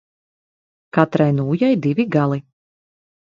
Katrai nūjai divi gali.